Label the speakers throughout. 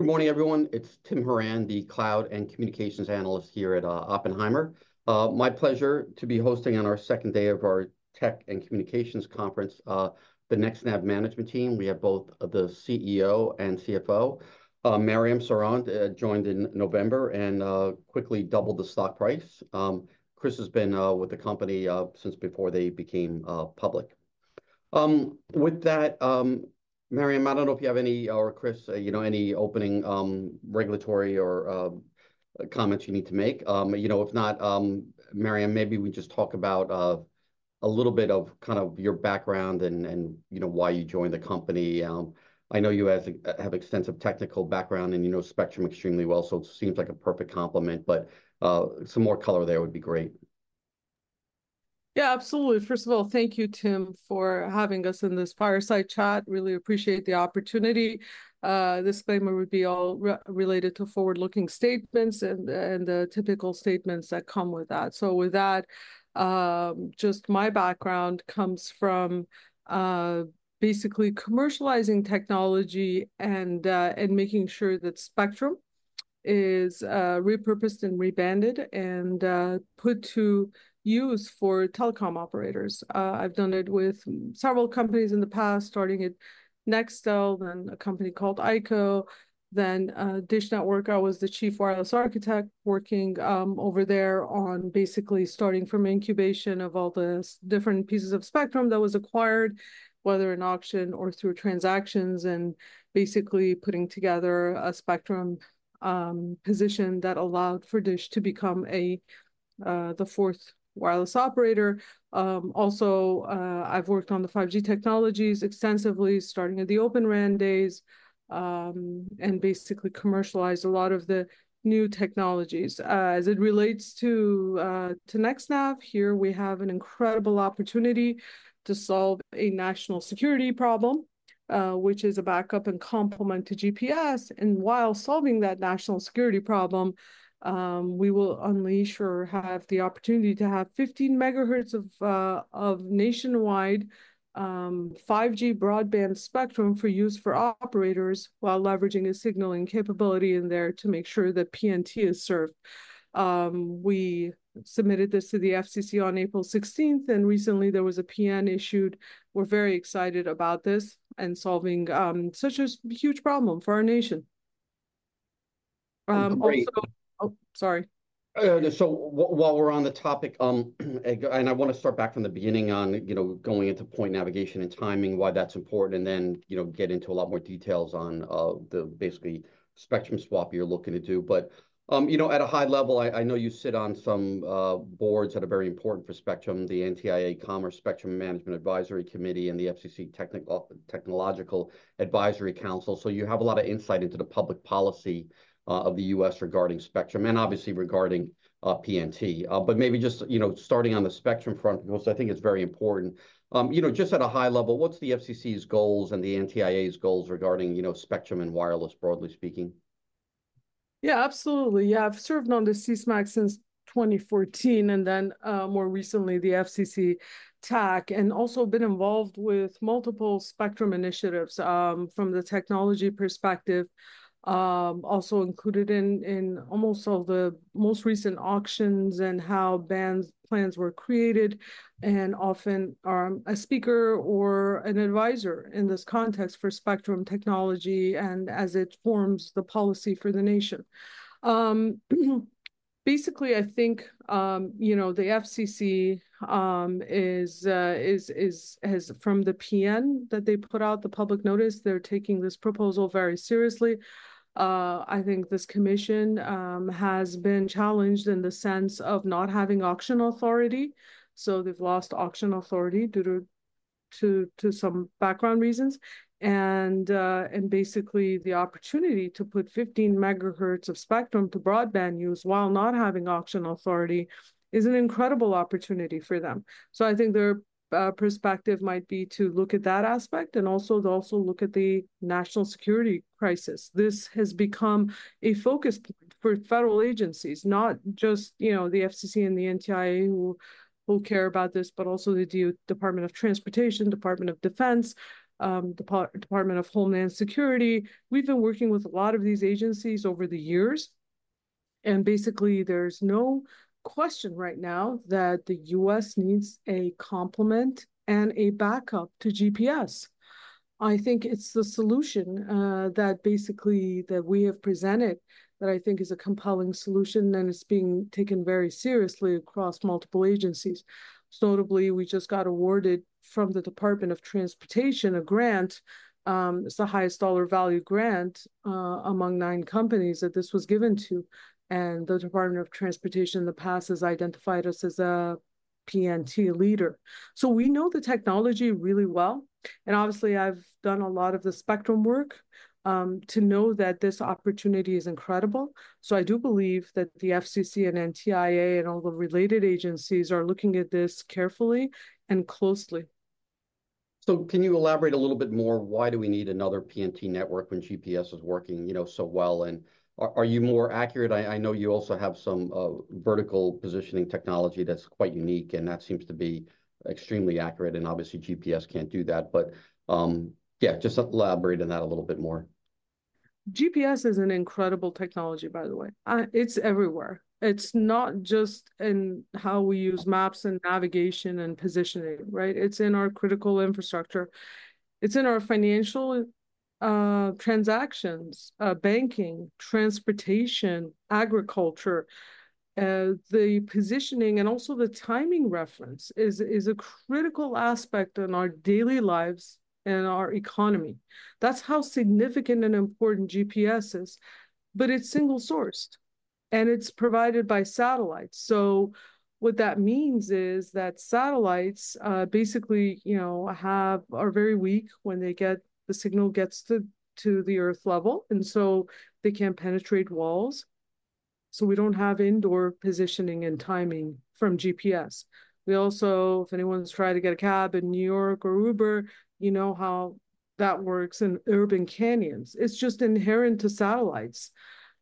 Speaker 1: Good morning, everyone. It's Tim Horan, the cloud and communications analyst here at Oppenheimer. My pleasure to be hosting on our second day of our Tech and Communications Conference, the NextNav management team. We have both the CEO and CFO. Mariam Sorond joined in November and quickly doubled the stock price. Christian has been with the company since before they became public. With that, Mariam, I don't know if you have any, or Christian, you know, any opening regulatory or comments you need to make. You know, if not, Mariam, maybe we just talk about a little bit of kind of your background and you know, why you joined the company. I know you have extensive technical background, and you know spectrum extremely well, so it seems like a perfect complement, but some more color there would be great.
Speaker 2: Yeah, absolutely. First of all, thank you, Tim, for having us in this fireside chat, really appreciate the opportunity. Disclaimer would be all related to forward-looking statements and typical statements that come with that. So with that, just my background comes from basically commercializing technology and making sure that spectrum is repurposed and rebanded and put to use for telecom operators. I've done it with several companies in the past, starting at Nextel, then a company called ICO, then Dish Network. I was the chief wireless architect working over there on basically starting from incubation of all the different pieces of spectrum that was acquired, whether in auction or through transactions, and basically putting together a spectrum position that allowed for Dish to become the fourth wireless operator. Also, I've worked on the 5G technologies extensively, starting at the Open RAN days, and basically commercialized a lot of the new technologies. As it relates to NextNav, here we have an incredible opportunity to solve a national security problem, which is a backup and complement to GPS, and while solving that national security problem, we will unleash or have the opportunity to have 15 MHz of nationwide 5G broadband spectrum for use for operators, while leveraging a signaling capability in there to make sure that PNT is served. We submitted this to the FCC on April 16th, and recently there was a PN issued. We're very excited about this and solving such a huge problem for our nation. Also-
Speaker 1: Great.
Speaker 2: Oh, sorry.
Speaker 1: So while we're on the topic, and I want to start back from the beginning on, you know, going into positioning navigation and timing, why that's important, and then, you know, get into a lot more details on, the basically spectrum swap you're looking to do. But, you know, at a high level, I know you sit on some boards that are very important for spectrum, the NTIA Commerce Spectrum Management Advisory Committee and the FCC Technological Advisory Council, so you have a lot of insight into the public policy of the U.S. regarding spectrum, and obviously regarding PNT. But maybe just, you know, starting on the spectrum front, because I think it's very important. You know, just at a high level, what's the FCC's goals and the NTIA's goals regarding, you know, spectrum and wireless, broadly speaking?
Speaker 2: Yeah, absolutely. Yeah, I've served on the CSMAC since 2014, and then, more recently, the FCC TAC, and also been involved with multiple spectrum initiatives, from the technology perspective. Also included in almost all the most recent auctions and how bands, plans were created, and often, a speaker or an advisor in this context for spectrum technology and as it forms the policy for the nation. Basically, I think, you know, the FCC is from the PN that they put out, the public notice, they're taking this proposal very seriously. I think this commission has been challenged in the sense of not having auction authority, so they've lost auction authority due to some background reasons. Basically, the opportunity to put 15 MHz of spectrum to broadband use while not having auction authority is an incredible opportunity for them. So I think their perspective might be to look at that aspect and also to look at the national security crisis. This has become a focus for federal agencies, not just, you know, the FCC and the NTIA, who care about this, but also the Department of Transportation, Department of Defense, Department of Homeland Security. We've been working with a lot of these agencies over the years, and basically, there's no question right now that the U.S. needs a complement and a backup to GPS. I think it's the solution that basically that we have presented that I think is a compelling solution, and it's being taken very seriously across multiple agencies. Notably, we just got awarded from the Department of Transportation, a grant, it's the highest dollar value grant, among nine companies that this was given to, and the Department of Transportation in the past has identified us as a PNT leader. So we know the technology really well, and obviously, I've done a lot of the spectrum work, to know that this opportunity is incredible. So I do believe that the FCC and NTIA and all the related agencies are looking at this carefully and closely.
Speaker 1: So can you elaborate a little bit more, why do we need another PNT network when GPS is working, you know, so well? And are you more accurate? I know you also have some vertical positioning technology that's quite unique, and that seems to be extremely accurate, and obviously, GPS can't do that. But yeah, just elaborate on that a little bit more....
Speaker 2: GPS is an incredible technology, by the way. It's everywhere. It's not just in how we use maps and navigation and positioning, right? It's in our critical infrastructure, it's in our financial transactions, banking, transportation, agriculture. The positioning and also the timing reference is a critical aspect in our daily lives and our economy. That's how significant and important GPS is, but it's single-sourced, and it's provided by satellites. So what that means is that satellites, basically, you know, are very weak when the signal gets to the Earth level, and so they can't penetrate walls, so we don't have indoor positioning and timing from GPS. We also, if anyone's tried to get a cab in New York or Uber, you know how that works in urban canyons. It's just inherent to satellites.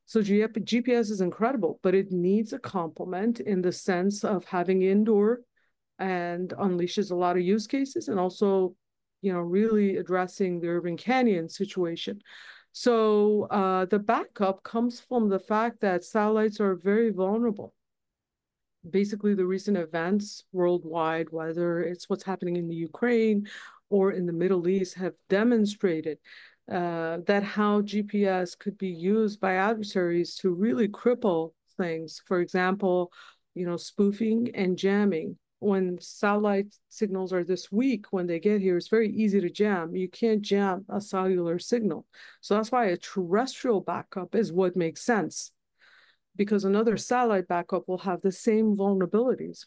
Speaker 2: So GPS is incredible, but it needs a complement in the sense of having indoor, and unleashes a lot of use cases and also, you know, really addressing the urban canyon situation. So, the backup comes from the fact that satellites are very vulnerable. Basically, the recent events worldwide, whether it's what's happening in the Ukraine or in the Middle East, have demonstrated that how GPS could be used by adversaries to really cripple things. For example, you know, spoofing and jamming. When satellite signals are this weak when they get here, it's very easy to jam. You can't jam a cellular signal. So that's why a terrestrial backup is what makes sense, because another satellite backup will have the same vulnerabilities.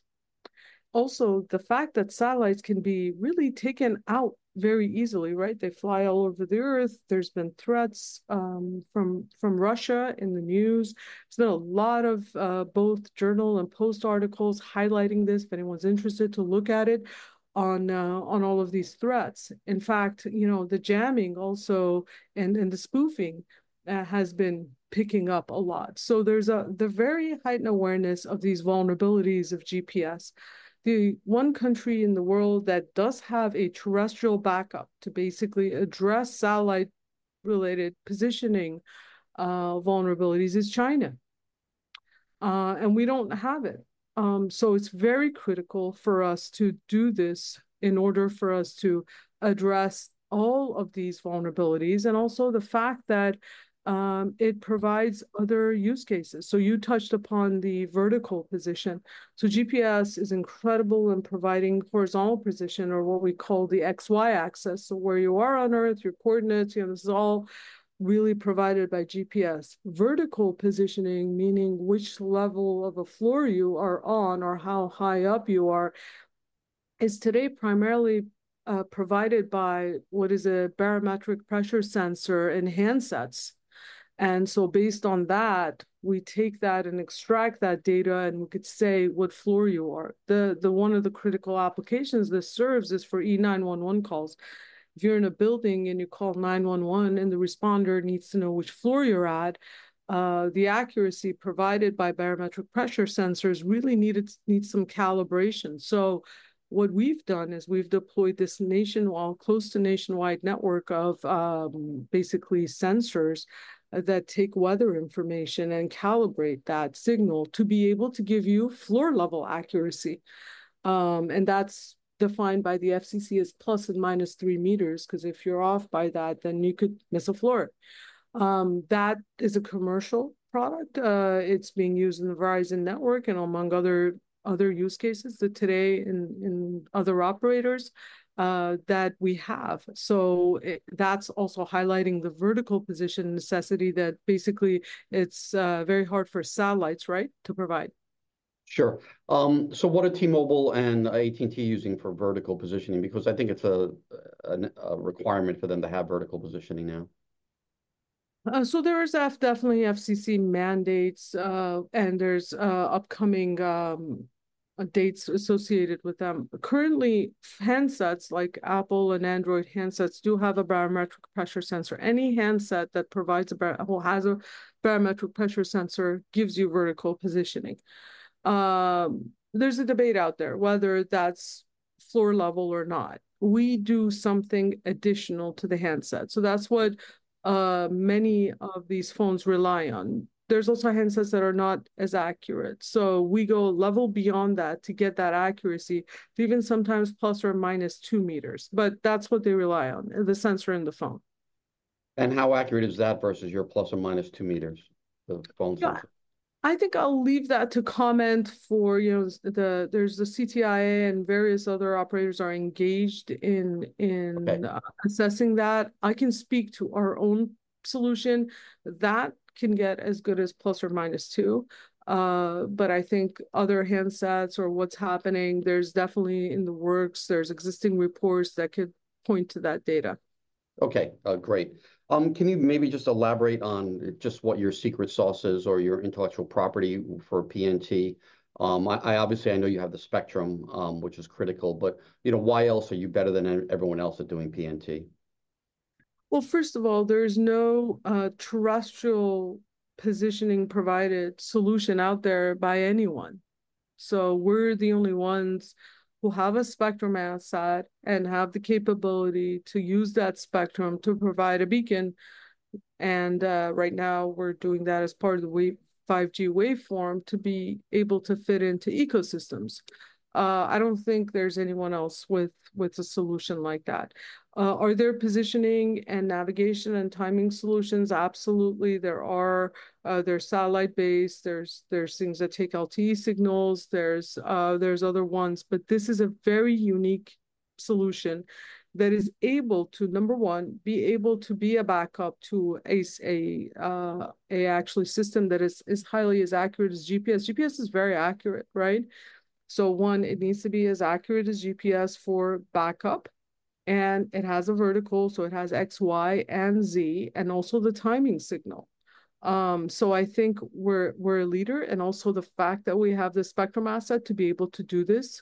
Speaker 2: Also, the fact that satellites can be really taken out very easily, right? They fly all over the Earth. There's been threats, from, from Russia in the news. There's been a lot of, both journal and post articles highlighting this, if anyone's interested to look at it, on, on all of these threats. In fact, you know, the jamming also, and the spoofing has been picking up a lot. So there's the very heightened awareness of these vulnerabilities of GPS. The one country in the world that does have a terrestrial backup to basically address satellite-related positioning vulnerabilities is China. And we don't have it. So it's very critical for us to do this in order for us to address all of these vulnerabilities, and also the fact that it provides other use cases. So you touched upon the vertical position. So GPS is incredible in providing horizontal position, or what we call the XY-axis, so where you are on Earth, your coordinates, you know, this is all really provided by GPS. Vertical positioning, meaning which level of a floor you are on or how high up you are, is today primarily provided by what is a barometric pressure sensor in handsets. And so based on that, we take that and extract that data, and we could say what floor you are. The one of the critical applications this serves is for E911 calls. If you're in a building and you call 911, and the responder needs to know which floor you're at, the accuracy provided by barometric pressure sensors really needed, needs some calibration. So what we've done is we've deployed this nationwide, close to nationwide network of basically sensors that take weather information and calibrate that signal to be able to give you floor-level accuracy. And that's defined by the FCC as plus and minus three meters, 'cause if you're off by that, then you could miss a floor. That is a commercial product. It's being used in the Verizon network and among other use cases today in other operators that we have. That's also highlighting the vertical position necessity that basically it's very hard for satellites, right, to provide.
Speaker 1: Sure. So what are T-Mobile and AT&T using for vertical positioning? Because I think it's a requirement for them to have vertical positioning now.
Speaker 2: So there is definitely FCC mandates, and there's upcoming dates associated with them. Currently, handsets like Apple and Android handsets do have a barometric pressure sensor. Any handset that provides or has a barometric pressure sensor gives you vertical positioning. There's a debate out there, whether that's floor level or not. We do something additional to the handset, so that's what many of these phones rely on. There's also handsets that are not as accurate, so we go a level beyond that to get that accuracy to even sometimes ±2 meters, but that's what they rely on, the sensor in the phone.
Speaker 1: How accurate is that versus your ±2 meters, the phone sensor?
Speaker 2: Yeah. I think I'll leave that to comment for, you know... There's the CTIA and various other operators are engaged in, in-
Speaker 1: Okay...
Speaker 2: assessing that. I can speak to our own solution. That can get as good as ±2. But I think other handsets or what's happening, there's definitely in the works, there's existing reports that could point to that data.
Speaker 1: Okay, great. Can you maybe just elaborate on just what your secret sauce is or your intellectual property for PNT? I obviously know you have the spectrum, which is critical, but, you know, why else are you better than everyone else at doing PNT?
Speaker 2: Well, first of all, there's no terrestrial positioning provided solution out there by anyone... So we're the only ones who have a spectrum asset and have the capability to use that spectrum to provide a beacon, and right now we're doing that as part of the 5G waveform to be able to fit into ecosystems. I don't think there's anyone else with a solution like that. Are there positioning and navigation and timing solutions? Absolutely, there are. They're satellite-based, there are things that take LTE signals, there are other ones, but this is a very unique solution that is able to, number one, be able to be a backup to an actual system that is highly as accurate as GPS. GPS is very accurate, right? So, one, it needs to be as accurate as GPS for backup, and it has a vertical, so it has X, Y, and Z, and also the timing signal. I think we're a leader, and also the fact that we have the spectrum asset to be able to do this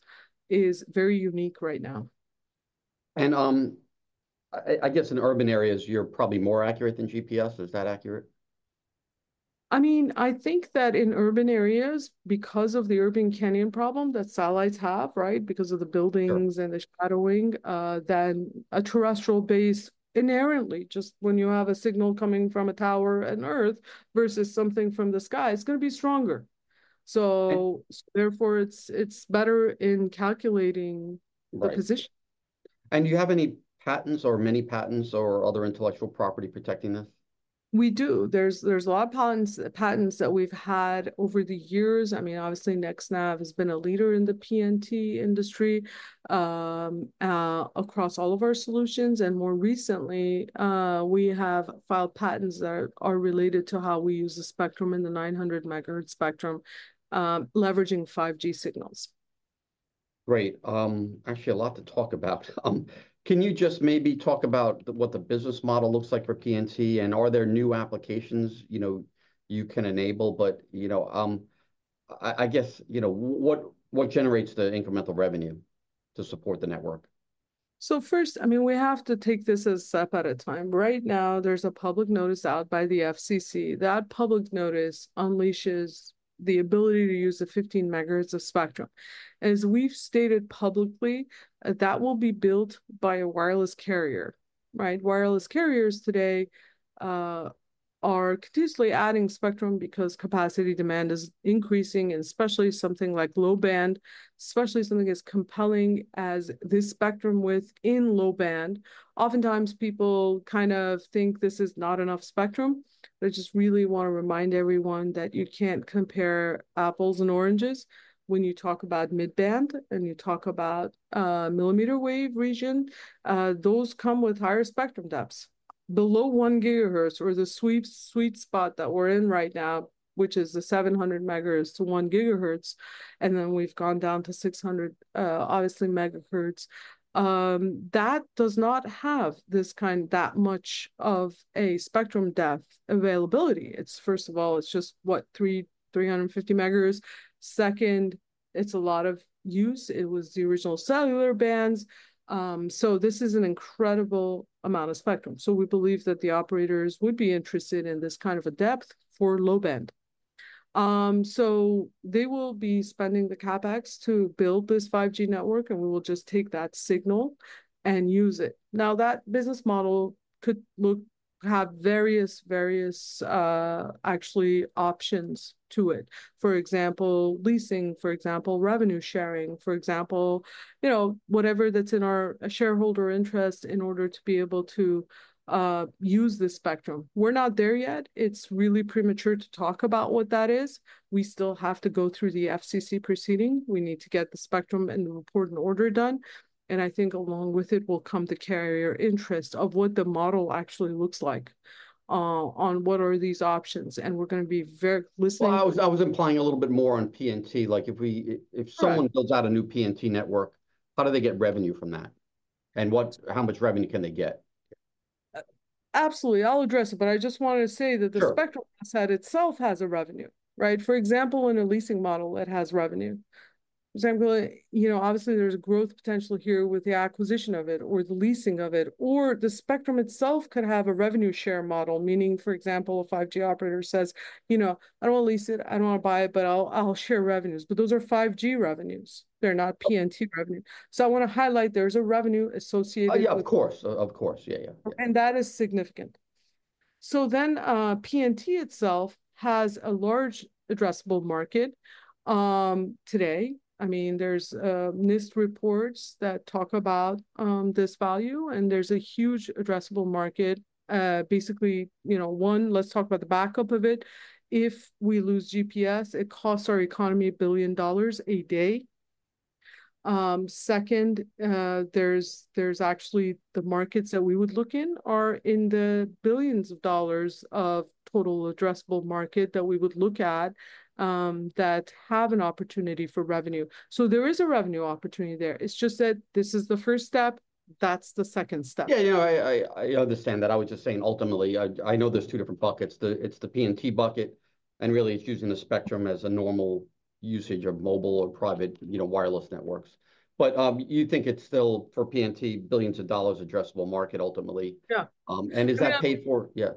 Speaker 2: is very unique right now.
Speaker 1: I guess in urban areas, you're probably more accurate than GPS. Is that accurate?
Speaker 2: I mean, I think that in urban areas, because of the urban canyon problem that satellites have, right, because of the buildings-
Speaker 1: Sure...
Speaker 2: and the shadowing, then a terrestrial base, inherently, just when you have a signal coming from a tower and Earth versus something from the sky, it's gonna be stronger.
Speaker 1: Okay.
Speaker 2: Therefore, it's better in calculating-
Speaker 1: Right...
Speaker 2: the position.
Speaker 1: Do you have any patents or many patents or other intellectual property protecting this?
Speaker 2: We do. There's a lot of patents that we've had over the years. I mean, obviously, NextNav has been a leader in the PNT industry across all of our solutions, and more recently, we have filed patents that are related to how we use the spectrum in the 900-MHz spectrum, leveraging 5G signals.
Speaker 1: Great. Actually a lot to talk about. Can you just maybe talk about what the business model looks like for PNT, and are there new applications, you know, you can enable? But, you know, I guess, you know, what generates the incremental revenue to support the network?
Speaker 2: So first, I mean, we have to take this a step at a time. Right now, there's a public notice out by the FCC. That public notice unleashes the ability to use the 15 MHz of spectrum. As we've stated publicly, that will be built by a wireless carrier, right? Wireless carriers today are continuously adding spectrum because capacity demand is increasing, and especially something like low band, especially something as compelling as this spectrum width in low band. Oftentimes people kind of think this is not enough spectrum. I just really wanna remind everyone that you can't compare apples and oranges when you talk about mid-band, and you talk about millimeter wave region. Those come with higher spectrum depths. Below 1 GHz, or the sweet spot that we're in right now, which is the 700 MHz to 1 GHz, and then we've gone down to 600, obviously MHz, that does not have this kind... that much of a spectrum depth availability. It's, first of all, it's just, what? 350 MHz. Second, it's a lot of use. It was the original cellular bands. So this is an incredible amount of spectrum. So we believe that the operators would be interested in this kind of a depth for low band. So they will be spending the CapEx to build this 5G network, and we will just take that signal and use it. Now, that business model could look, have various, actually options to it, for example, leasing, for example, revenue sharing, for example, you know, whatever that's in our shareholder interest in order to be able to, use this spectrum. We're not there yet. It's really premature to talk about what that is. We still have to go through the FCC proceeding. We need to get the spectrum and the report and order done, and I think along with it will come the carrier interest of what the model actually looks like, on what are these options, and we're gonna be very listening-
Speaker 1: Well, I was implying a little bit more on PNT, like if we-
Speaker 2: Right...
Speaker 1: if someone builds out a new PNT network, how do they get revenue from that? And what, how much revenue can they get?
Speaker 2: Absolutely, I'll address it, but I just wanted to say-
Speaker 1: Sure...
Speaker 2: that the spectrum asset itself has a revenue, right? For example, in a leasing model, it has revenue. For example, you know, obviously there's growth potential here with the acquisition of it or the leasing of it, or the spectrum itself could have a revenue share model, meaning, for example, a 5G operator says, "You know, I don't wanna lease it, I don't wanna buy it, but I'll share revenues." But those are 5G revenues, they're not PNT revenue. So I wanna highlight there's a revenue associated with it.
Speaker 1: Yeah, of course. Of course. Yeah, yeah.
Speaker 2: That is significant. So then, PNT itself has a large addressable market today. I mean, there's NIST reports that talk about this value, and there's a huge addressable market. Basically, you know, one, let's talk about the backup of it. If we lose GPS, it costs our economy $1 billion a day. Second, there's actually, the markets that we would look in are in $ billions of total addressable market that we would look at that have an opportunity for revenue. So there is a revenue opportunity there. It's just that this is the first step, that's the second step.
Speaker 1: Yeah, you know, I understand that. I was just saying, ultimately, I know there's two different buckets. It's the PNT bucket, and really it's using the spectrum as a normal usage of mobile or private, you know, wireless networks. But you think it's still, for PNT, $ billions addressable market ultimately?
Speaker 2: Yeah.
Speaker 1: Is that paid for? Yeah....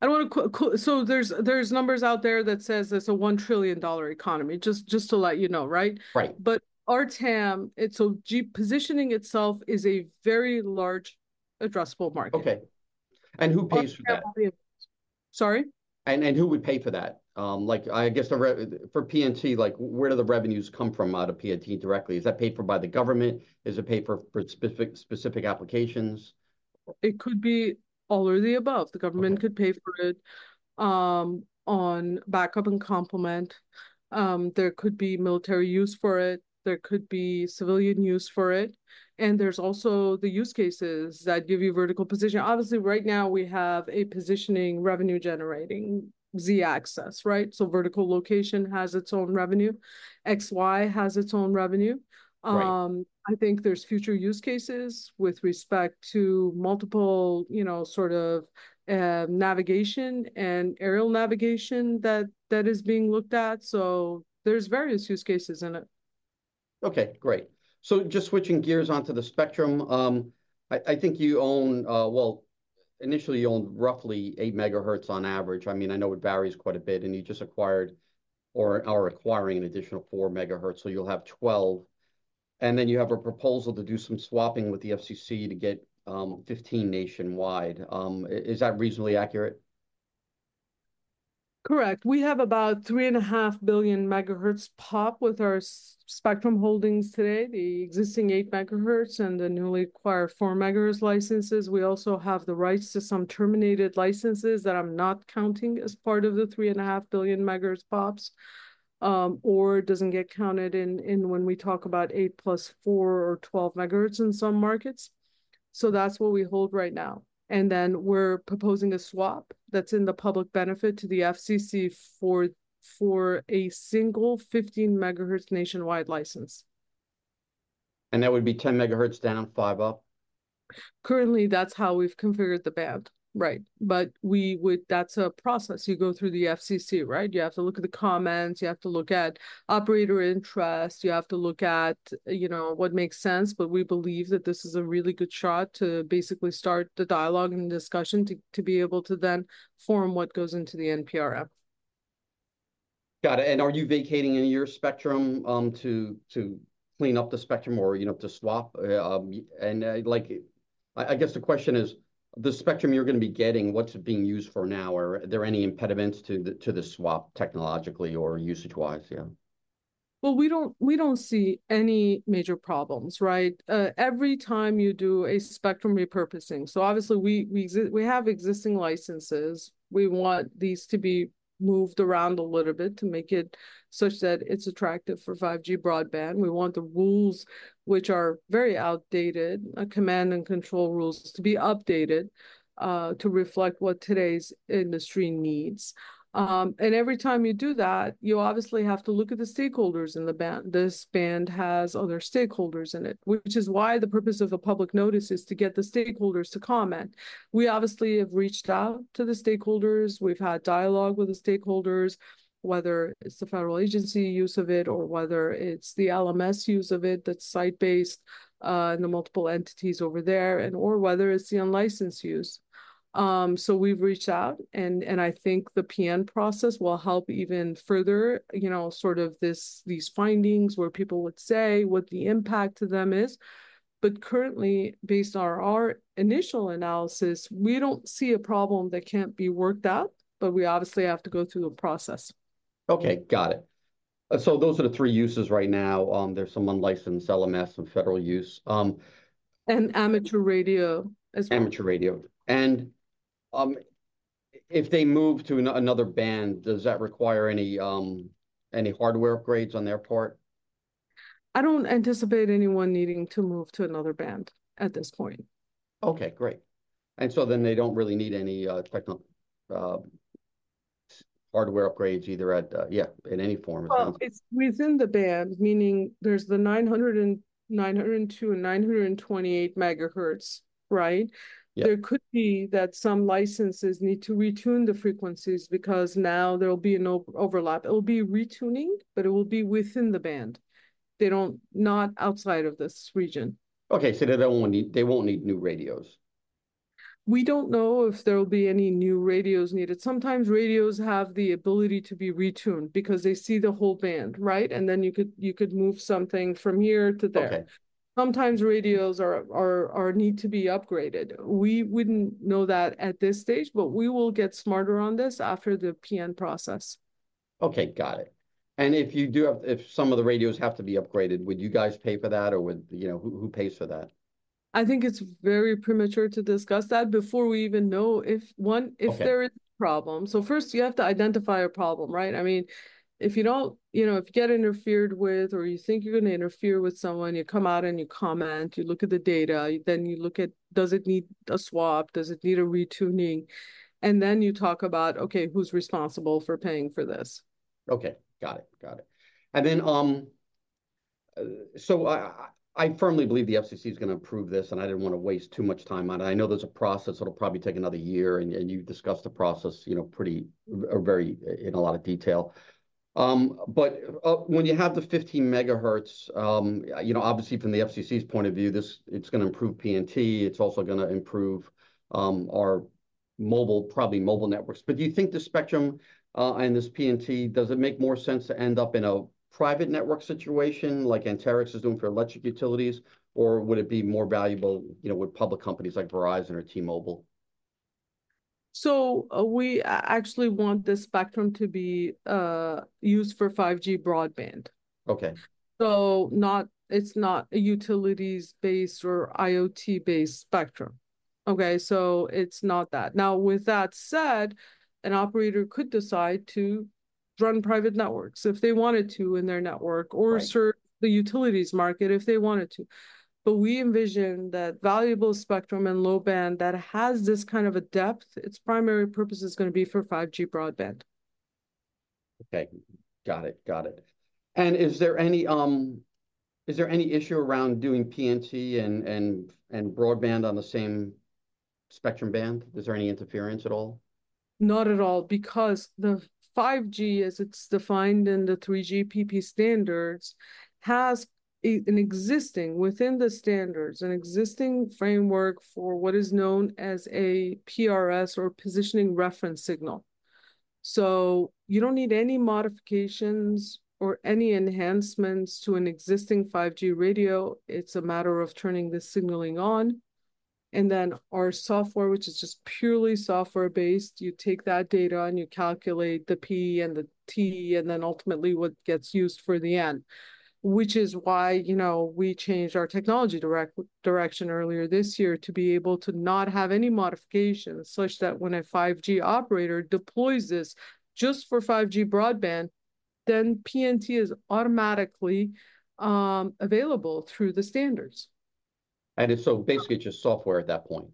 Speaker 2: I don't wanna so there's, there's numbers out there that says it's a $1 trillion economy, just, just to let you know, right?
Speaker 1: Right.
Speaker 2: But our TAM, so GPS positioning itself is a very large addressable market.
Speaker 1: Okay. And who pays for that?
Speaker 2: Sorry?
Speaker 1: And who would pay for that? Like, I guess for PNT, like, where do the revenues come from out of PNT directly? Is that paid for by the government? Is it paid for specific applications?
Speaker 2: It could be all of the above.
Speaker 1: Okay.
Speaker 2: The government could pay for it, on backup and complement. There could be military use for it. There could be civilian use for it, and there's also the use cases that give you vertical position. Obviously, right now we have a positioning revenue-generating Z-axis, right? So vertical location has its own revenue. XY has its own revenue.
Speaker 1: Right.
Speaker 2: I think there's future use cases with respect to multiple, you know, sort of, navigation and aerial navigation that is being looked at, so there's various use cases in it.
Speaker 1: Okay, great. So just switching gears onto the spectrum, I think you own, well, initially you owned roughly 8 MHz on average. I mean, I know it varies quite a bit, and you just acquired or are acquiring an additional 4 MHz, so you'll have 12, and then you have a proposal to do some swapping with the FCC to get 15 nationwide. Is that reasonably accurate?
Speaker 2: Correct. We have about 3.5 billion MHz-POP with our spectrum holdings today, the existing 8 MHz and the newly acquired 4 MHz licenses. We also have the rights to some terminated licenses that I'm not counting as part of the 3.5 billion MHz-POPs, or doesn't get counted in when we talk about 8 + 4 or 12 MHz in some markets. So that's what we hold right now, and then we're proposing a swap that's in the public benefit to the FCC for a single 15 MHz nationwide license.
Speaker 1: That would be 10 MHz down, 5 up?
Speaker 2: Currently, that's how we've configured the band, right, but we would- that's a process. You go through the FCC, right? You have to look at the comments. You have to look at operator interest. You have to look at, you know, what makes sense, but we believe that this is a really good shot to basically start the dialogue and discussion to, to be able to then form what goes into the NPRM.
Speaker 1: Got it, and are you vacating any of your spectrum to clean up the spectrum or, you know, to swap? Like, I guess the question is, the spectrum you're gonna be getting, what's it being used for now? Are there any impediments to the swap technologically or usage-wise, yeah?
Speaker 2: Well, we don't, we don't see any major problems, right? Every time you do a spectrum repurposing... So obviously, we have existing licenses. We want these to be moved around a little bit to make it such that it's attractive for 5G broadband. We want the rules, which are very outdated, a command and control rules, to be updated, to reflect what today's industry needs. And every time you do that, you obviously have to look at the stakeholders in the band. This band has other stakeholders in it, which is why the purpose of a public notice is to get the stakeholders to comment. We obviously have reached out to the stakeholders. We've had dialogue with the stakeholders, whether it's the federal agency use of it or whether it's the LMS use of it that's site-based, and the multiple entities over there and, or whether it's the unlicensed use. So we've reached out, and, and I think the PN process will help even further, you know, sort of, this, these findings, where people would say what the impact to them is. But currently, based on our initial analysis, we don't see a problem that can't be worked out, but we obviously have to go through a process.
Speaker 1: Okay, got it. So those are the three uses right now. There's some unlicensed LMS and federal use.
Speaker 2: Amateur radio as well.
Speaker 1: Amateur radio. And, if they move to another band, does that require any hardware upgrades on their part?
Speaker 2: I don't anticipate anyone needing to move to another band at this point.
Speaker 1: Okay, great. And so then they don't really need any hardware upgrades either at... yeah, in any form or fashion.
Speaker 2: Well, it's within the band, meaning there's the 900 and 902 and 928 MHz, right?
Speaker 1: Yeah.
Speaker 2: There could be that some licenses need to retune the frequencies because now there'll be no overlap. It will be retuning, but it will be within the band. They not outside of this region.
Speaker 1: Okay, so they don't want, they won't need new radios?
Speaker 2: We don't know if there will be any new radios needed. Sometimes radios have the ability to be retuned because they see the whole band, right? And then you could, you could move something from here to there.
Speaker 1: Okay.
Speaker 2: Sometimes radios are needed to be upgraded. We wouldn't know that at this stage, but we will get smarter on this after the PN process.
Speaker 1: Okay, got it. And if some of the radios have to be upgraded, would you guys pay for that, or would... You know, who pays for that?
Speaker 2: I think it's very premature to discuss that before we even know if.
Speaker 1: Okay...
Speaker 2: if there is a problem. So first, you have to identify a problem, right? I mean, if you don't... You know, if you get interfered with or you think you're gonna interfere with someone, you come out and you comment, you look at the data. Then you look at, does it need a swap? Does it need a retuning? And then you talk about, okay, who's responsible for paying for this.
Speaker 1: Okay, got it. Got it. And then, so I firmly believe the FCC is gonna approve this, and I didn't wanna waste too much time on it. I know there's a process that'll probably take another year, and you've discussed the process, you know, pretty or very in a lot of detail. But when you have the 15 MHz, you know, obviously from the FCC's point of view, this it's gonna improve PNT, it's also gonna improve our mobile probably mobile networks. But do you think the spectrum and this PNT, does it make more sense to end up in a private network situation, like Anterix is doing for electric utilities, or would it be more valuable, you know, with public companies like Verizon or T-Mobile?
Speaker 2: So, actually we want the spectrum to be used for 5G broadband.
Speaker 1: Okay.
Speaker 2: So it's not a utilities-based or IoT-based spectrum, okay? So it's not that. Now, with that said, an operator could decide to run private networks if they wanted to in their network-
Speaker 1: Right...
Speaker 2: or serve the utilities market if they wanted to. But we envision that valuable spectrum and low band that has this kind of a depth, its primary purpose is gonna be for 5G broadband.
Speaker 1: Okay. Got it, got it. And is there any issue around doing PNT and broadband on the same spectrum band? Is there any interference at all?
Speaker 2: Not at all, because the 5G, as it's defined in the 3GPP standards, has an existing, within the standards, an existing framework for what is known as a PRS or positioning reference signal. So you don't need any modifications or any enhancements to an existing 5G radio, it's a matter of turning the signaling on, and then our software, which is just purely software-based, you take that data, and you calculate the P and the T, and then ultimately what gets used for the N. Which is why, you know, we changed our technology direction earlier this year, to be able to not have any modifications, such that when a 5G operator deploys this just for 5G broadband, then PNT is automatically available through the standards.
Speaker 1: And so basically, it's just software at that point?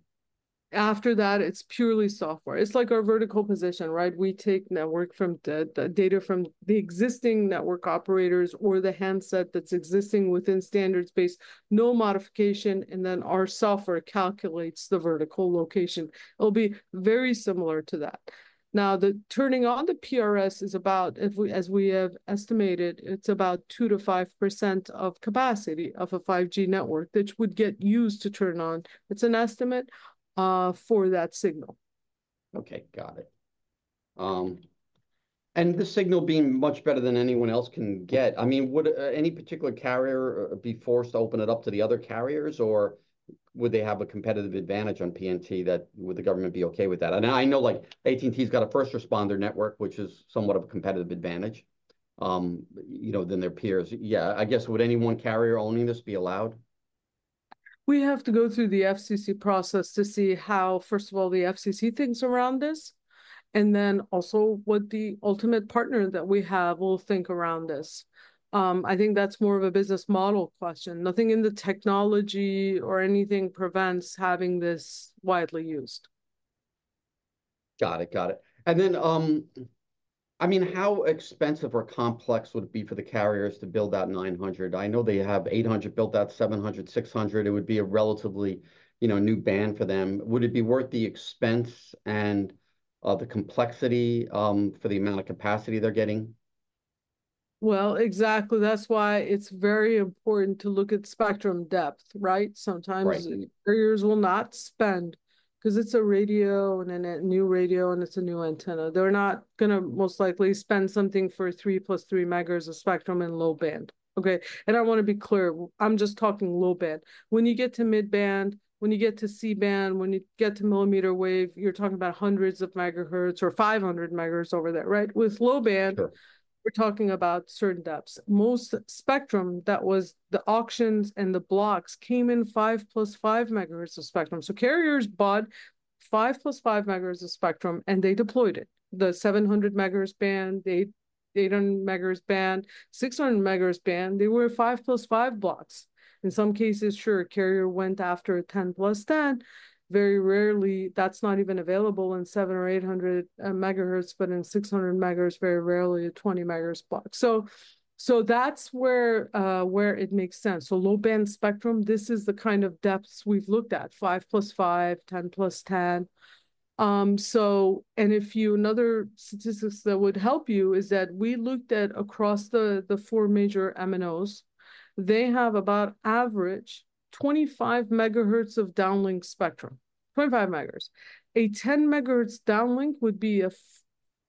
Speaker 2: After that, it's purely software. It's like our vertical position, right? We take the data from the existing network operators or the handset that's existing within standards-based, no modification, and then our software calculates the vertical location. It'll be very similar to that. Now, the turning on the PRS is about, as we have estimated, it's about 2%-5% of capacity of a 5G network, which would get used to turn on. It's an estimate for that signal.
Speaker 1: Okay, got it. And the signal being much better than anyone else can get, I mean, would any particular carrier be forced to open it up to the other carriers, or would they have a competitive advantage on PNT that... Would the government be okay with that? I know, like, AT&T's got a first responder network, which is somewhat of a competitive advantage, you know, than their peers. Yeah, I guess, would any one carrier owning this be allowed?
Speaker 2: We have to go through the FCC process to see how, first of all, the FCC thinks around this, and then also what the ultimate partner that we have will think around this. I think that's more of a business model question. Nothing in the technology or anything prevents having this widely used.
Speaker 1: Got it. Got it. And then, I mean, how expensive or complex would it be for the carriers to build out 900? I know they have 800, built out 700, 600. It would be a relatively, you know, new band for them. Would it be worth the expense and the complexity for the amount of capacity they're getting?
Speaker 2: Well, exactly. That's why it's very important to look at spectrum depth, right?
Speaker 1: Right.
Speaker 2: Sometimes carriers will not spend, 'cause it's a radio, and a new radio, and it's a new antenna. They're not gonna most likely spend something for 3 + 3 MHz of spectrum and low band, okay? And I wanna be clear, I'm just talking low band. When you get to mid-band, when you get to C-band, when you get to millimeter wave, you're talking about hundreds of MHz or 500 MHz over that, right?
Speaker 1: Sure.
Speaker 2: With low band, we're talking about certain depths. Most spectrum, that was the auctions and the blocks, came in 5 + 5 MHz of spectrum. So carriers bought 5 + 5 MHz of spectrum, and they deployed it. The 700 MHz band, the 800 MHz band, 600 MHz band, they were 5 + 5 blocks. In some cases, sure, a carrier went after a 10 + 10. Very rarely, that's not even available in 700 or 800, MHz, but in 600 MHz, very rarely a 20 MHz block. So, so that's where, where it makes sense. So low-band spectrum, this is the kind of depths we've looked at, 5 + 5, 10 + 10. So, and another statistics that would help you is that we looked at across the, the four major MNOs. They have about average 25 MHz of downlink spectrum, 25 MHz. A 10 MHz downlink would be a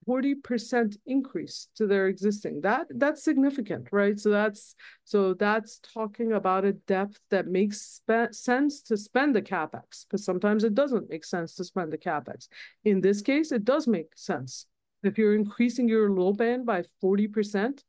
Speaker 2: 40% increase to their existing. That's significant, right? So that's talking about a depth that makes sense to spend the CapEx, but sometimes it doesn't make sense to spend the CapEx. In this case, it does make sense. If you're increasing your low band by 40%,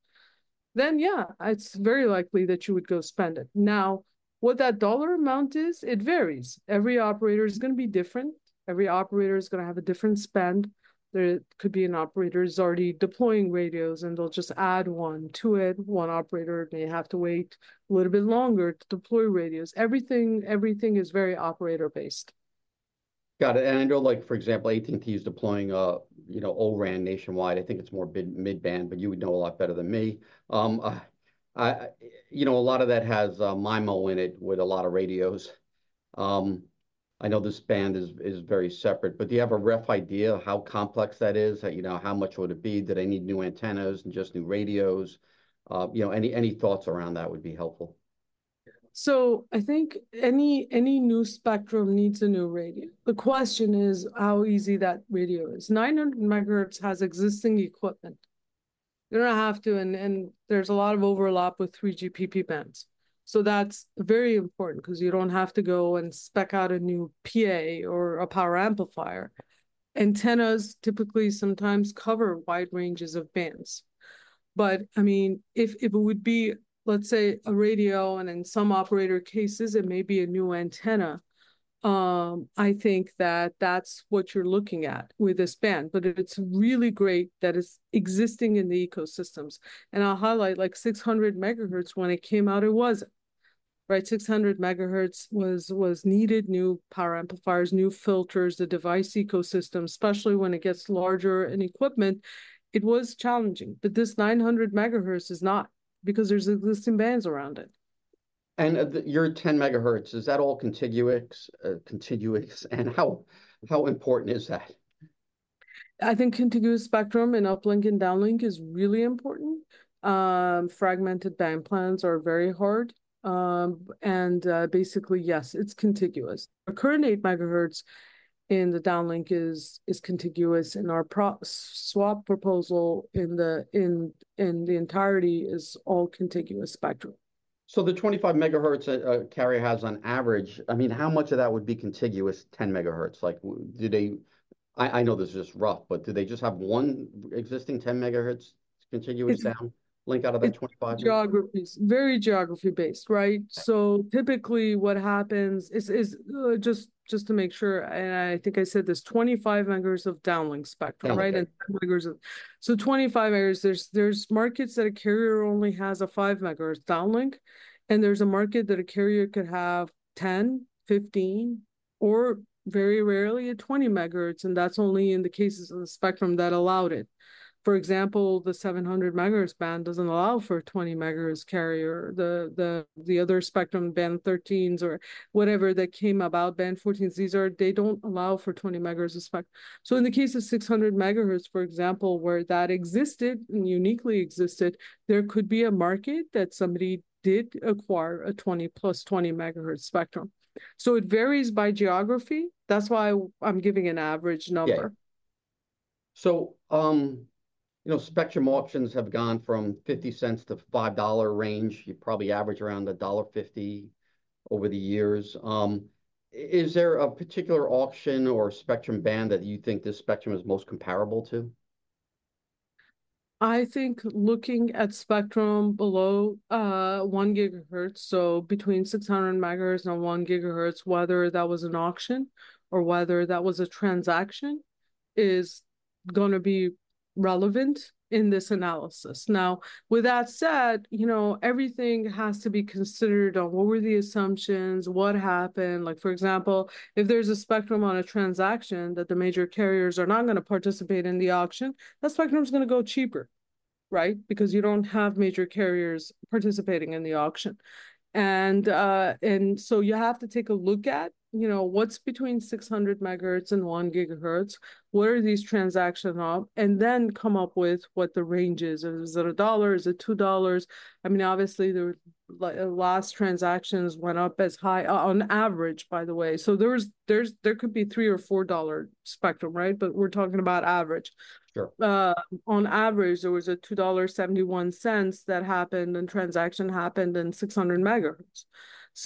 Speaker 2: then yeah, it's very likely that you would go spend it. Now, what that dollar amount is, it varies. Every operator is gonna be different. Every operator is gonna have a different spend. There could be an operator who's already deploying radios, and they'll just add one to it. One operator may have to wait a little bit longer to deploy radios. Everything is very operator-based.
Speaker 1: Got it. And I know, like, for example, AT&T is deploying, you know, O-RAN nationwide. I think it's more mid-band, but you would know a lot better than me. You know, a lot of that has MIMO in it with a lot of radios. I know this band is very separate, but do you have a rough idea of how complex that is? You know, how much would it be? Do they need new antennas and just new radios? You know, any thoughts around that would be helpful.
Speaker 2: So I think any new spectrum needs a new radio. The question is how easy that radio is. 900 MHz has existing equipment. You don't have to... And there's a lot of overlap with 3GPP bands. So that's very important, 'cause you don't have to go and spec out a new PA or a power amplifier. Antennas typically sometimes cover wide ranges of bands. But I mean, if it would be, let's say, a radio, and in some operator cases, it may be a new antenna, I think that that's what you're looking at with this band. But it's really great that it's existing in the ecosystems. And I'll highlight, like, 600 MHz, when it came out, it wasn't, right? 600 MHz was needed new power amplifiers, new filters, the device ecosystem, especially when it gets larger, and equipment, it was challenging. But this 900 MHz is not, because there's existing bands around it.
Speaker 1: Your 10 MHz, is that all contiguous? How important is that?
Speaker 2: I think contiguous spectrum in uplink and downlink is really important. Fragmented band plans are very hard. And basically, yes, it's contiguous. Our current 8 MHz in the downlink is contiguous, and our proposed swap proposal in the entirety is all contiguous spectrum.
Speaker 1: So the 25 MHz, a carrier has on average, I mean, how much of that would be contiguous 10 MHz? Like, do they... I know this is just rough, but do they just have one existing 10 MHz contiguous-
Speaker 2: It-
Speaker 1: downlink out of that 25?...
Speaker 2: geography. It's very geography-based, right?
Speaker 1: Yeah.
Speaker 2: Typically, what happens is, just to make sure, and I think I said this, 25 MHz of downlink spectrum, right?
Speaker 1: Okay.
Speaker 2: 10 MHz of... So 25 MHz, there's markets that a carrier only has a 5 MHz downlink, and there's a market that a carrier could have 10, 15, or very rarely, a 20 MHz, and that's only in the cases of the spectrum that allowed it. For example, the 700 MHz band doesn't allow for a 20 MHz carrier. The other spectrum Band 13s or whatever that came about, Band 14s, these don't allow for 20 of spectrum. So in the case of 600 MHz, for example, where that existed and uniquely existed, there could be a market that somebody did acquire a 20-plus, 20 MHz spectrum. So it varies by geography. That's why I'm giving an average number.
Speaker 1: Yeah. So, you know, spectrum auctions have gone from $0.50-$5 range. You probably average around $1.50 over the years. Is there a particular auction or spectrum band that you think this spectrum is most comparable to?
Speaker 2: I think looking at spectrum below 1 GHz, so between 600 MHz and 1 GHz, whether that was an auction or whether that was a transaction, is gonna be relevant in this analysis. Now, with that said, you know, everything has to be considered on what were the assumptions, what happened. Like, for example, if there's a spectrum on a transaction that the major carriers are not gonna participate in the auction, that spectrum's gonna go cheaper, right? Because you don't have major carriers participating in the auction. And so you have to take a look at, you know, what's between 600 MHz and 1 GHz, what are these transactions of, and then come up with what the range is. Is it $1? Is it $2? I mean, obviously, the last transactions went up as high... on average, by the way. So there could be $3-$4 spectrum, right? But we're talking about average.
Speaker 1: Sure.
Speaker 2: On average, there was a $2.71 that happened, and transaction happened in 600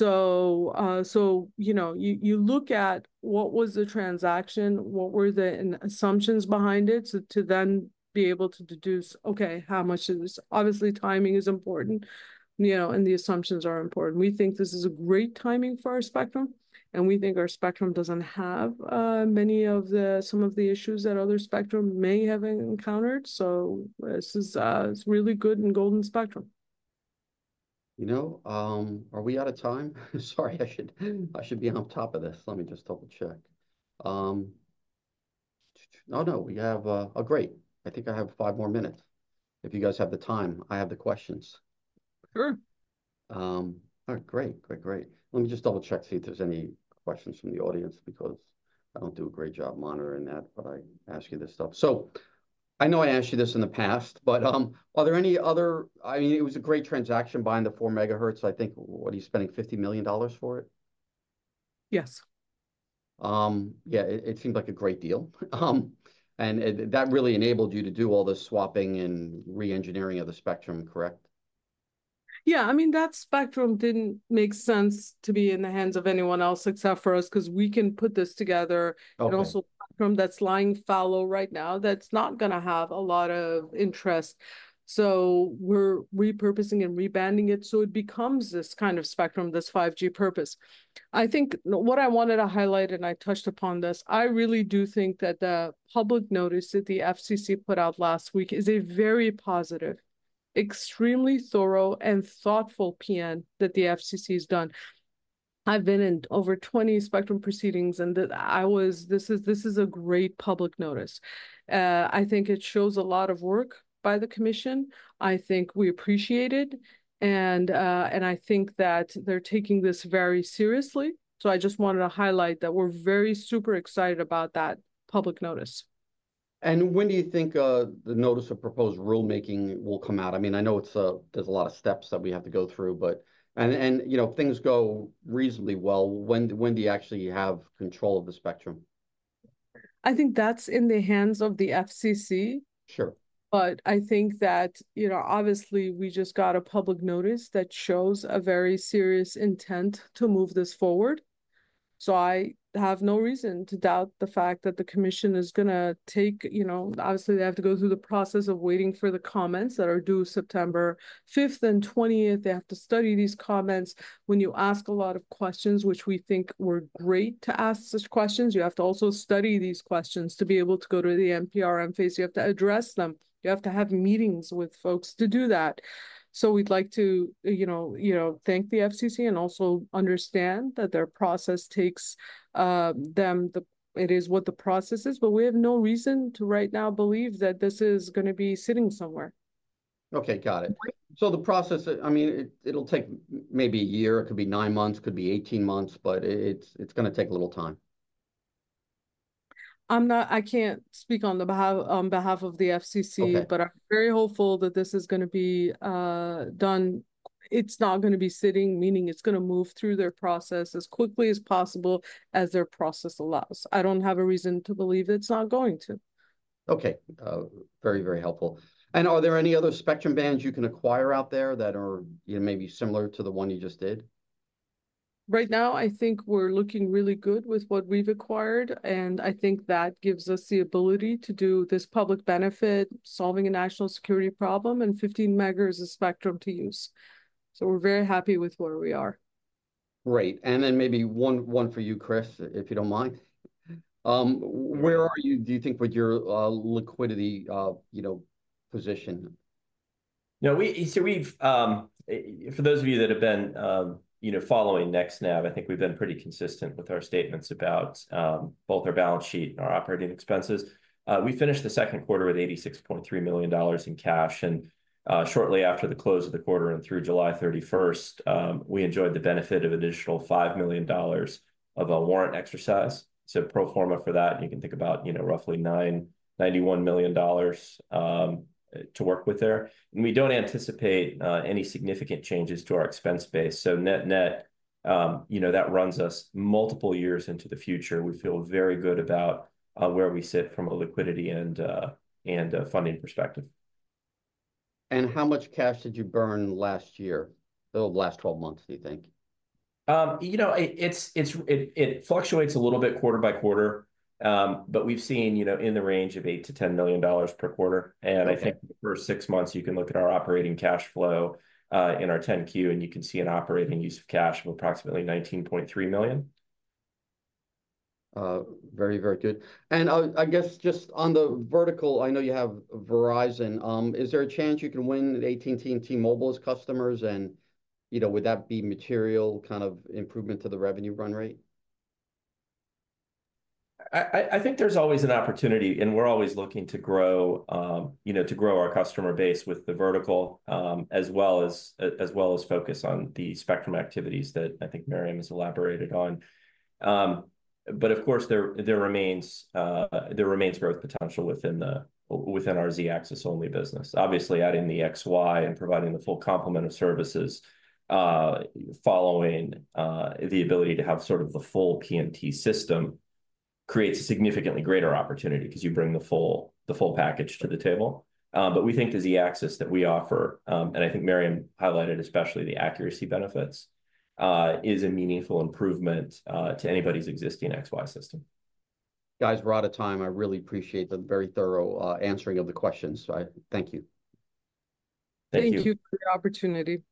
Speaker 2: MHz. So, you know, you, you look at what was the transaction, what were the assumptions behind it, so to then be able to deduce, "Okay, how much is this?" Obviously, timing is important, you know, and the assumptions are important. We think this is a great timing for our spectrum, and we think our spectrum doesn't have many of the, some of the issues that other spectrum may have encountered, so this is, it's really good and golden spectrum.
Speaker 1: You know, are we out of time? Sorry, I should, I should be on top of this. Let me just double-check. Oh, no, we have... Oh, great. I think I have five more minutes. If you guys have the time, I have the questions.
Speaker 2: Sure.
Speaker 1: All right, great. Great, great. Let me just double-check to see if there's any questions from the audience, because I don't do a great job monitoring that, but I ask you this stuff. So I know I asked you this in the past, but, are there any other... I mean, it was a great transaction buying the 4 MHz. I think, what are you spending, $50 million for it?
Speaker 2: Yes.
Speaker 1: Yeah, it seemed like a great deal. And that really enabled you to do all the swapping and re-engineering of the spectrum, correct?
Speaker 2: Yeah, I mean, that spectrum didn't make sense to be in the hands of anyone else except for us, 'cause we can put this together.
Speaker 1: Okay.
Speaker 2: Also, spectrum that's lying fallow right now, that's not gonna have a lot of interest. So we're repurposing and rebanding it so it becomes this kind of spectrum, this 5G purpose. I think, what I wanted to highlight, and I touched upon this, I really do think that the public notice that the FCC put out last week is a very positive, extremely thorough, and thoughtful PN that the FCC has done. I've been in over 20 spectrum proceedings. This is, this is a great public notice. I think it shows a lot of work by the commission. I think we appreciate it, and I think that they're taking this very seriously. So I just wanted to highlight that we're very super excited about that public notice....
Speaker 1: And when do you think the notice of proposed rulemaking will come out? I mean, I know it's, there's a lot of steps that we have to go through, but and you know, if things go reasonably well, when do you actually have control of the spectrum?
Speaker 2: I think that's in the hands of the FCC.
Speaker 1: Sure.
Speaker 2: But I think that, you know, obviously, we just got a public notice that shows a very serious intent to move this forward, so I have no reason to doubt the fact that the commission is gonna take, you know—obviously, they have to go through the process of waiting for the comments that are due September 5th and 20th. They have to study these comments. When you ask a lot of questions, which we think were great to ask such questions, you have to also study these questions to be able to go to the NPRM phase. You have to address them. You have to have meetings with folks to do that. So we'd like to, you know, you know, thank the FCC and also understand that their process takes them the... It is what the process is, but we have no reason to right now believe that this is gonna be sitting somewhere.
Speaker 1: Okay, got it. So the process, I mean, it'll take maybe a year, it could be nine months, could be 18 months, but it's gonna take a little time.
Speaker 2: I can't speak on behalf of the FCC.
Speaker 1: Okay...
Speaker 2: but I'm very hopeful that this is gonna be done. It's not gonna be sitting, meaning it's gonna move through their process as quickly as possible as their process allows. I don't have a reason to believe it's not going to.
Speaker 1: Okay. Very, very helpful. And are there any other spectrum bands you can acquire out there that are, you know, maybe similar to the one you just did?
Speaker 2: Right now, I think we're looking really good with what we've acquired, and I think that gives us the ability to do this public benefit, solving a national security problem, and 15 MHz of spectrum to use. So we're very happy with where we are.
Speaker 1: Great, and then maybe one for you, Christian, if you don't mind. Where are you, do you think, with your liquidity, you know, position?
Speaker 3: You know, so we've, for those of you that have been, you know, following NextNav, I think we've been pretty consistent with our statements about both our balance sheet and our operating expenses. We finished the second quarter with $86.3 million in cash, and shortly after the close of the quarter and through July 31st, we enjoyed the benefit of additional $5 million of a warrant exercise. So pro forma for that, you can think about, you know, roughly $91 million to work with there. And we don't anticipate any significant changes to our expense base. So net-net, you know, that runs us multiple years into the future. We feel very good about where we sit from a liquidity and a funding perspective.
Speaker 1: How much cash did you burn last year, or the last 12 months, do you think?
Speaker 3: You know, it fluctuates a little bit quarter-by-quarter. But we've seen, you know, in the range of $8-$10 million per quarter.
Speaker 1: Okay.
Speaker 3: I think the first six months, you can look at our operating cash flow in our 10-Q, and you can see an operating use of cash of approximately $19.3 million.
Speaker 1: Very, very good. I guess, just on the vertical, I know you have Verizon. Is there a chance you can win AT&T and T-Mobile as customers, and, you know, would that be a material kind of improvement to the revenue run rate?
Speaker 3: I think there's always an opportunity, and we're always looking to grow, you know, to grow our customer base with the vertical, as well as focus on the spectrum activities that I think Mariam has elaborated on. But of course, there remains growth potential within our Z-axis only business. Obviously, adding the XY and providing the full complement of services, following the ability to have sort of the full PNT system, creates a significantly greater opportunity, 'cause you bring the full package to the table. But we think the Z-axis that we offer, and I think Mariam highlighted especially the accuracy benefits, is a meaningful improvement to anybody's existing XY system.
Speaker 1: Guys, we're out of time. I really appreciate the very thorough answering of the questions, so I thank you.
Speaker 3: Thank you.
Speaker 2: Thank you for the opportunity.